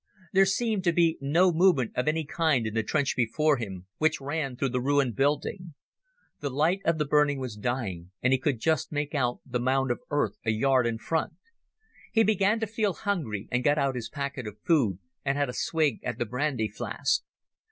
There seemed to be no movement of any kind in the trench before him, which ran through the ruined building. The light of the burning was dying, and he could just make out the mound of earth a yard in front. He began to feel hungry, and got out his packet of food and had a swig at the brandy flask.